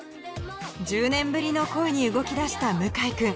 １０年ぶりの恋に動き出した向井くん